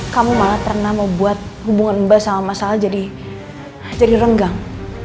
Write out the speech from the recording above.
kamu malah pernah mau buat hubungan mbak sama mas al jadi renggang